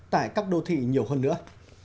tại các đô thị nhiều hơn nữa